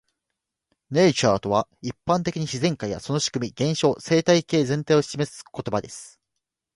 "Nature" とは、一般的に自然界やその仕組み、現象、生態系全体を指す言葉です。